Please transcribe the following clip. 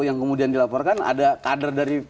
yang kemudian dilaporkan ada kader dari